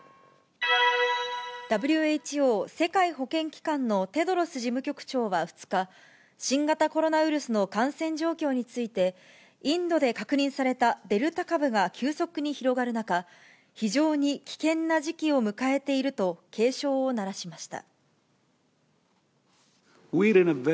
ＷＨＯ・世界保健機関のテドロス事務局長は２日、新型コロナウイルスの感染状況について、インドで確認されたデルタ株が急速に広がる中、非常に危険な時期を迎えていると、警鐘を鳴らしました。